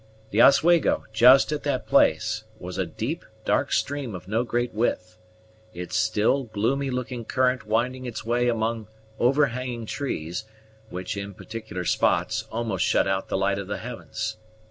The Oswego, just at that place, was a deep dark stream of no great width, its still, gloomy looking current winding its way among overhanging trees, which, in particular spots, almost shut out the light of the heavens.